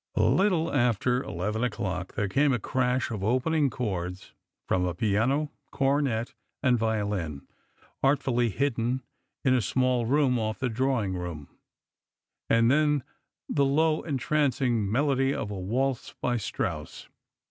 A little after eleven o'clock there came a crash of opening chords from a piano, cornet, and violin, artfully hidden in a small room off the drawing room, and then the low entrancing melody of a waltz by Strauss.